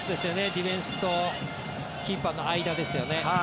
ディフェンスとキーパーの間ですね。